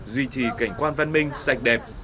duy trì cảnh quan văn minh sạch đẹp